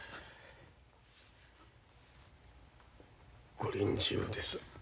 ご臨終です。